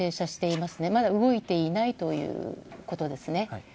まだ動いていないということです。